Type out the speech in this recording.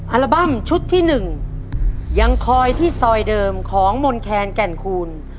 อัลบั้มชุดที่๑ยังคอยที่ซอยเดิมของมนแคนแก่นคูณ